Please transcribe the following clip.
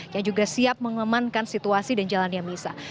yang juga siap mengembangkan situasi dan jalan yang misa